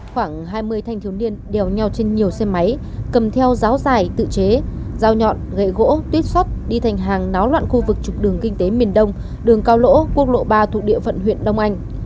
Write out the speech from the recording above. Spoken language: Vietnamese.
khoảng hai mươi thanh thiếu niên đeo nhau trên nhiều xe máy cầm theo giáo dài tự chế dao nhọn gậy gỗ tuyết sắt đi thành hàng náo loạn khu vực trục đường kinh tế miền đông đường cao lỗ quốc lộ ba thuộc địa phận huyện đông anh